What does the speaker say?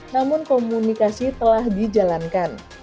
namun komunikasi telah dijalankan